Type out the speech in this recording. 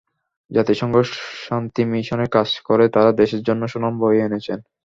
জাতিসংঘ শান্তি মিশনে কাজ করে তাঁরা দেশের জন্য সুনাম বয়ে এনেছেন।